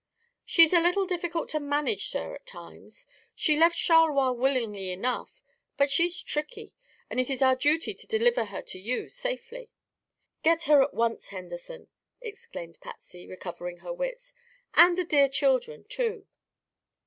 "She's a little difficult to manage, sir, at times. She left Charleroi willingly enough, but she's tricky, and it is our duty to deliver her to you safely." "Get her at once, Henderson," exclaimed Patsy, recovering her wits; "and the dear children, too."